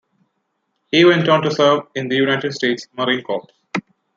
He went on to serve in the United States Marine Corps.